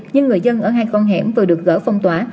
nhưng người dân ở hai con hẻm vừa được gỡ phong tỏa